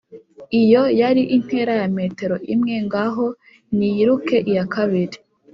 Iyo yari intera ya metero imwe ngaho niyiruke iyakabiri